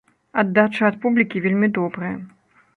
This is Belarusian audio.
Аддача ад публікі вельмі добрая.